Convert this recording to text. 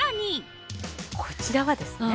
こちらはですね